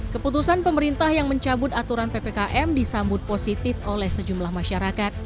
keputusan pemerintah yang mencabut aturan ppkm disambut positif oleh sejumlah masyarakat